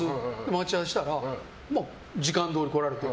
待ち合わせしたら時間どおり来られて。